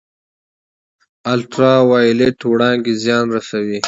الټرا وایلیټ وړانګې زیان رسوي